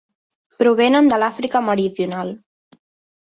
Provenen de l'Àfrica meridional.